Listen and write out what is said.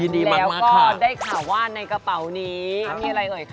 แล้วก็ได้ข่าวว่าในกระเป๋านี้มีอะไรเอ่ยคะ